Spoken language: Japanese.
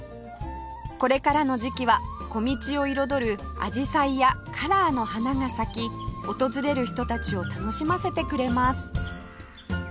これからの時期は小道を彩るアジサイやカラーの花が咲き訪れる人たちを楽しませてくれます